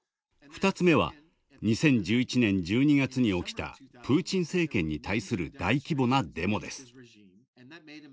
２つ目は２０１１年１２月に起きたプーチン政権に対する大規模なデモです。